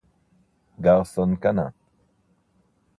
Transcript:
Garson Kanin